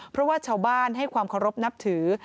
เพราะว่าชาวบ้านให้ความเคารพนับถือ